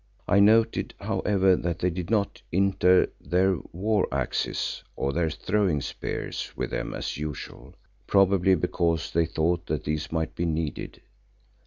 I noted, however, that they did not inter their war axes or their throwing spears with them as usual, probably because they thought that these might be needed.